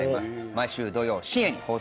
毎週土曜深夜に放送中です。